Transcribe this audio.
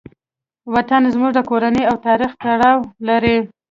وطن زموږ د کورنۍ او تاریخ تړاو لري.